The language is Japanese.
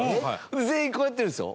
全員こうやってるんですよ。